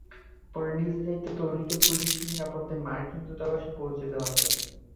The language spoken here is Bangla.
পরে নিজ দায়িত্বে তরুণীকে পুলিশি নিরাপত্তায় মার্কিন দূতাবাসে পৌঁছে দেওয়া হয়।